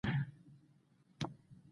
ښوونځی ماشومانو ته د ادب زده کړه ورکوي.